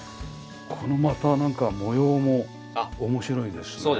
このまたなんか模様も面白いですね。